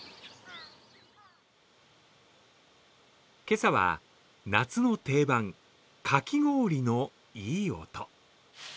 今朝は夏の定番、かき氷のいい音。